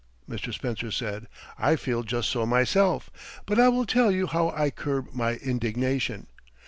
Mr. Spencer said: "I feel just so myself, but I will tell you how I curb my indignation.